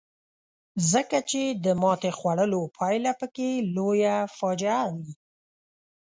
ځکه چې د ماتې خوړلو پایله پکې لویه فاجعه وي.